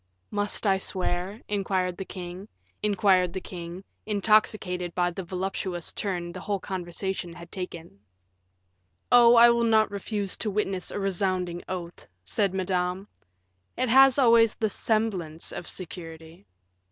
"Must I swear?" inquired the king, intoxicated by the voluptuous turn the whole conversation had taken. "Oh, I will not refuse to witness a resounding oath," said Madame; "it has always the semblance of security."